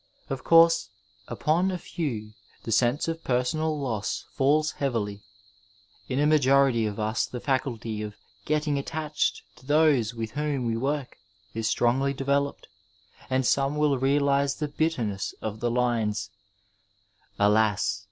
Of course upon a few the sense of personal loss falls heavily ; in a majority of us the faculty of getting attached to those with whom we work is strongly Digitized by Google THE FIXED PERIOD developed, and some will realize the bitterness of the lines: — Alas